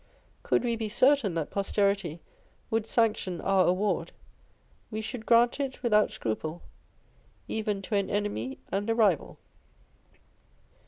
Could we be certain that posterity would sanction our award, we should grant it without scruple, even to an enemy and a rival.